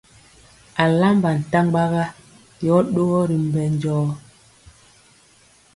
Alamba ntaɓaga yɔ ɗogɔ ri mbɛ jɔɔ.